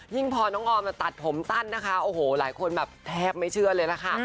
พอน้องออมมาตัดผมสั้นนะคะโอ้โหหลายคนแบบแทบไม่เชื่อเลยล่ะค่ะ